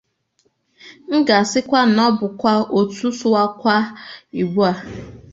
m ga-asịkwa na ọ bụkwa Otu Sụwakwa Igbo ooo.